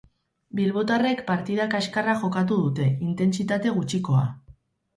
Bilbotarrek partida kaskarra jokatu dute, intentsitate gutxikoa.